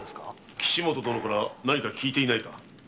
岸本殿から何か聞いていないか？